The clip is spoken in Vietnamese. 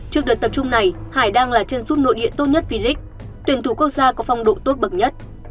trước đợt tập trung này hải đang là chân rút nội địa tốt nhất v leage tuyển thủ quốc gia có phong độ tốt bậc nhất